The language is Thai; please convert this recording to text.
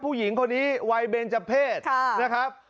ผู้หญิงคนนี้วัยเบนเจอร์เพศนะครับ